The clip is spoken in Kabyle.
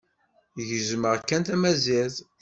Gezzmeɣ kan tamazirt.